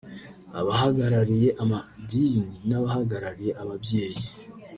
abahagarariye amadini n’abahagarariye ababyeyi